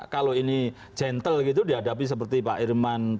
kalau ini gentle gitu dihadapi seperti pak irman